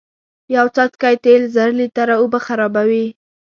یو څاڅکی تیل زر لیتره اوبه خرابوی